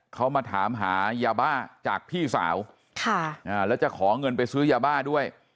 เขามาถามหายาบ้าจากพี่สาวแล้วจะขอเงินไปซื้อยาบ้าด้วย